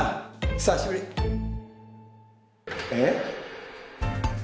久しぶりえっ？